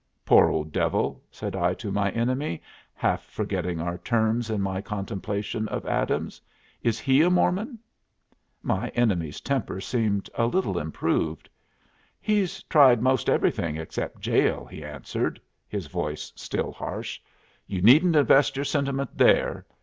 "Poor old devil!" said I to my enemy, half forgetting our terms in my contemplation of Adams. "Is he a Mormon?" My enemy's temper seemed a little improved. "He's tried most everything except jail," he answered, his voice still harsh. "You needn't invest your sentiment there.